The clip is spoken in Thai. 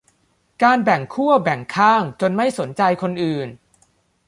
การแบ่งขั้วแบ่งข้างจนไม่สนใจคนอื่น